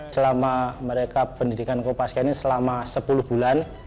selama mereka pendidikan kopaska ini selama sepuluh bulan